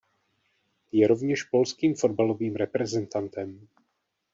Je rovněž polským fotbalovým reprezentantem.